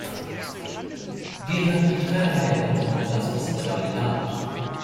Diese hat keinerlei Erinnerung an das, was sie gerade getan hat.